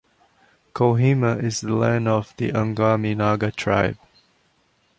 Kohima is the land of the Angami Naga tribe.